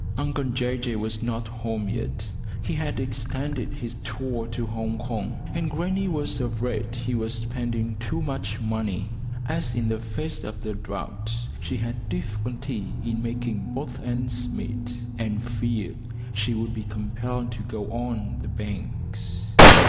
Uncle Jay Jay was not home yet: he had extended his tour to Hong Kong, and grannie was afraid he was spending too much money, as in the face of the drought she had difficulty in making both ends meet, and feared she would be compelled to go on the banks.